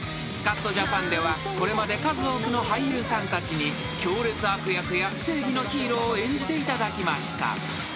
［『スカッとジャパン』ではこれまで数多くの俳優さんたちに強烈悪役や正義のヒーローを演じていただきました］